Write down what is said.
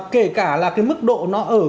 kể cả là cái mức độ nó ở